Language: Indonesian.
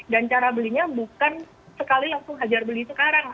dan cara belinya bukan sekali langsung hajar beli sekarang